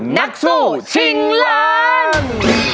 นักสู้ชิงล้าน